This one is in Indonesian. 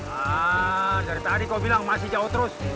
ah dari tadi kau bilang masih jauh terus